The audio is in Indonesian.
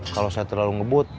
kalau saya terlalu ngebut